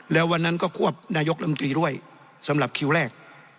แล้ววันนั้นก็ควบนายกลำตีด้วยสำหรับคิวแรก